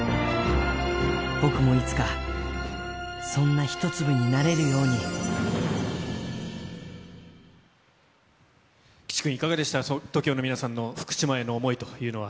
僕もいつか、そんな一粒になれる岸君、いかがでしたか、ＴＯＫＩＯの皆さんの福島への想いというのは。